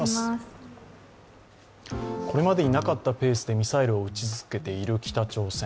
これまでになかったペースでミサイルを撃ち続けている北朝鮮。